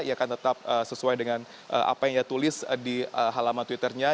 ia akan tetap sesuai dengan apa yang ia tulis di halaman twitternya